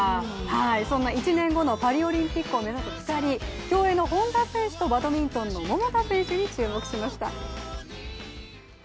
そんな１年後のパリオリンピックを目指す２人、競泳の本多選手とバドミントンの桃田選手に注目しました。